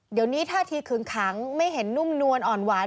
เดี๋ยวนี้ท่าทีขึงขังไม่เห็นนุ่มนวลอ่อนหวาน